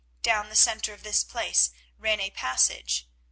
Down the centre of this place ran a passage.